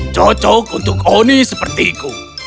cocok untuk oni sepertiku